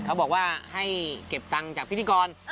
เขาบอกว่าให้เก็บตังค์จากพิธีกร